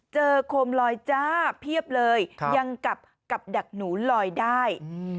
โคมลอยจ้าเพียบเลยยังกับดักหนูลอยได้